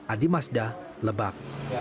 adi mazda lebak